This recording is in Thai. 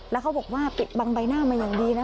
แล้วเขาบอกว่าปิดบังใบหน้ามาอย่างดีนะ